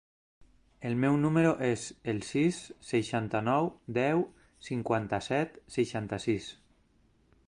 El meu número es el sis, seixanta-nou, deu, cinquanta-set, seixanta-sis.